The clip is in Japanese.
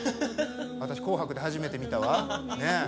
私、「紅白」で初めて見たわ。